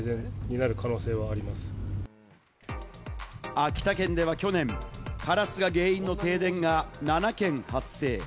秋田県では去年カラスが原因の停電が７件発生。